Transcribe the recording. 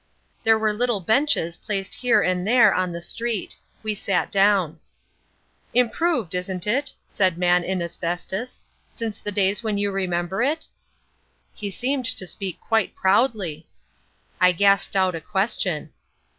There were little benches placed here and there on the street. We sat down. "Improved, isn't it," said man in asbestos, "since the days when you remember it?" He seemed to speak quite proudly. I gasped out a question.